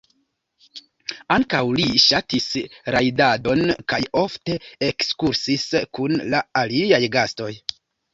Ankaŭ li ŝatis rajdadon kaj ofte ekskursis kun la aliaj gastoj.